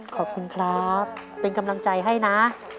ขอบคุณครับเป็นกำลังใจให้นะ